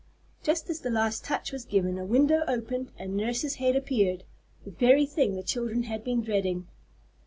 Just as the last touch was given, a window opened and nurse's head appeared, the very thing the children had been dreading.